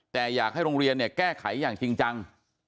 แต่อยากให้โรงเรียนเนี่ยแก้ไขอย่างจริงจัง